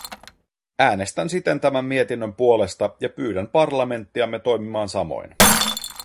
Äänestän siten tämän mietinnön puolesta ja pyydän parlamenttiamme toimimaan samoin.